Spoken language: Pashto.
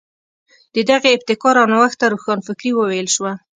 د دغې ابتکار او نوښت ته روښانفکري وویل شوه.